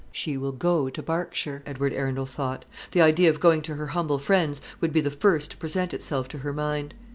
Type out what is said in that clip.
"She will go to Berkshire," Edward Arundel thought: "the idea of going to her humble friends would be the first to present itself to her mind.